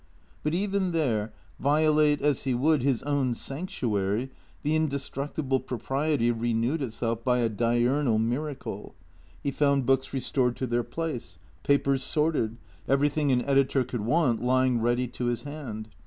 But even there, violate as he would his own sanctuary, the inde structible propriety renewed itself by a diurnal miracle. He found books restored to their place, papers sorted, everything an editor could want lying ready to his hand.